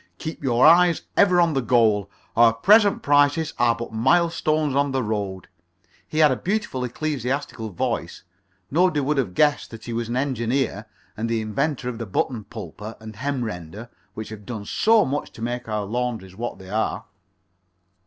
Keep your eyes ever on the goal. Our present prices are but milestones on the road." He had a beautiful, ecclesiastical voice. Nobody would have guessed that he was an engineer and the inventor of the Button pulper and Hem render which have done so much to make our laundries what they are.